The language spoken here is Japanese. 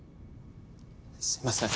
すいません。